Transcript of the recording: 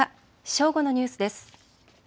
正午のニュースです。